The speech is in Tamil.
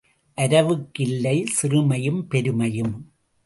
அரவுக்கு இல்லை சிறுமையும் பெருமையும்.